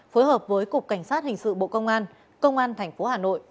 phối hợp với cục cảnh sát hình sự bộ công an công an tp hà nội